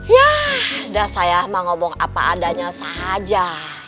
yah udah saya mah ngomong apa adanya saja